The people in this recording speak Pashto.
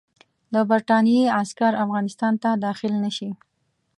د برټانیې عسکر افغانستان ته داخل نه شي.